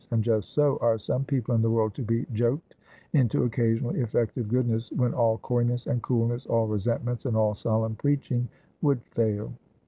And just so, are some people in the world to be joked into occasional effective goodness, when all coyness, and coolness, all resentments, and all solemn preaching, would fail.